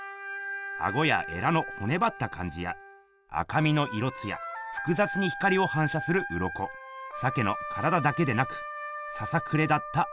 アゴやエラのほねばったかんじや赤みの色つやふくざつに光をはんしゃするうろこ鮭の体だけでなくささくれだったあらなわ。